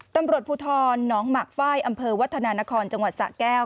ตำรวจภูทรน้องหมากฝ้ายอำเภอวัฒนานครจังหวัดสะแก้ว